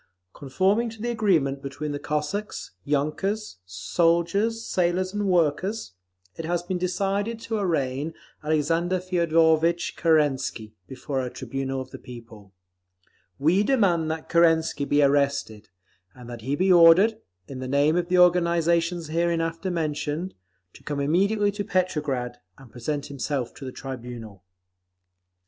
Conforming to the agreement between the Cossacks, yunkers, soldiers, sailors and workers, it has been decided to arraign Alexander Feodorvitch Kerensky before a tribunal of the people. We demand that Kerensky be arrested, and that he be ordered, in the name of the organisations hereinafter mentioned, to come immediately to Petrograd and present himself to the tribunal.